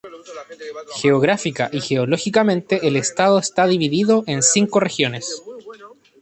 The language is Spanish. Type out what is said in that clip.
Geográfica y geológicamente, el estado está dividido en cinco regiones.